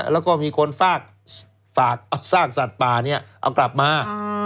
แล้วก็มีคนฝากซากสัตว์ป่าเนี่ยเอากลับมา